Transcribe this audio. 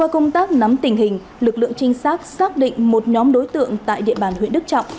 công tác nắm tình hình lực lượng trinh sát xác định một nhóm đối tượng tại địa bàn huyện đức trọng